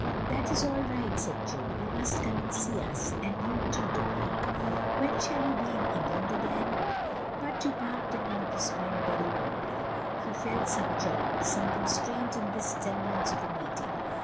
"That is all right," said Jo. "You must come and see us, and you too, Du Pare. When shall you be in England again?" But Du Pare did not respond very warmly. He felt some jar, some constraint in this semblance of a meeting.